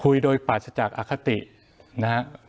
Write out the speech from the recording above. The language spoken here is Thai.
คุยโดยปราศจากอคตินะฮะ